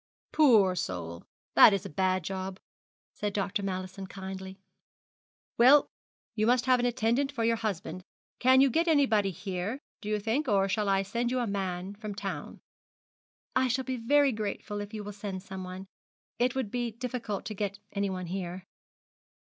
'Poor soul! that is a bad job,' said Dr. Mallison, kindly. 'Well, you must have an attendant for your husband. Can you get anybody here, do you think? Or shall I send you a man from town?' 'I shall be very grateful if you will send some one. It would be difficult to get any one here.'